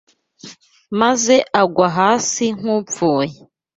maze agwa hasi nk’upfuye